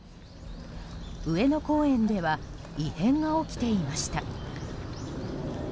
上野公園では異変が起きていました。